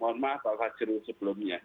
mohon maaf pak fajri sebelumnya